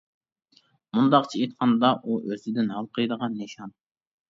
مۇنداقچە ئېيتقاندا، ئۇ ئۆزىدىن ھالقىيدىغان «نىشان» .